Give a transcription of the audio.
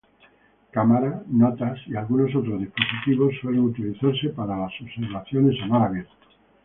Cámaras, notas, y algunos otros dispositivos suelen utilizarse para las observaciones a mar abierto.